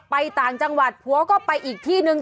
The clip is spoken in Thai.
ต่างจังหวัดผัวก็ไปอีกที่นึง